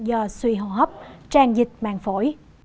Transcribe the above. do suy hô hấp tràn dịch mạng phổi